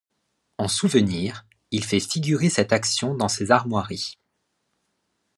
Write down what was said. En souvenir, il fait figurer cette action dans ses armoiries.